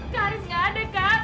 karis gak ada kak